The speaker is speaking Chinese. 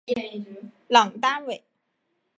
朗丹韦。